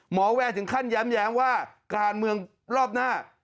แวร์ถึงขั้นแย้มว่าการเมืองรอบหน้า